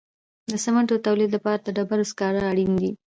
د سمنټو د تولید لپاره د ډبرو سکاره اړین دي.